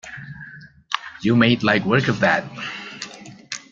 You made light work of that!